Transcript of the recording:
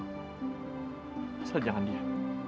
masalah jangan dia